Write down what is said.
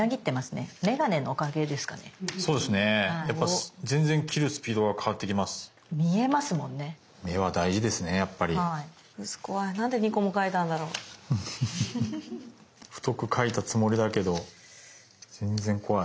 太く描いたつもりだけど全然怖い。